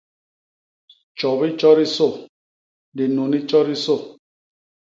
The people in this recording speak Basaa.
Tjobi tjodisô, dinuni tjodisô.